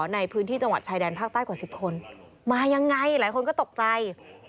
ในพื้นที่จังหวัดชายแดนภาคใต้กว่า๑๐คนมายังไงหลายคนก็ตกใจ